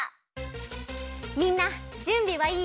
みんなじゅんびはいい？